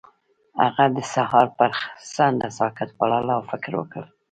هغه د سهار پر څنډه ساکت ولاړ او فکر وکړ.